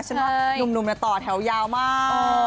หนุ่มมาต่อแถวยาวมาก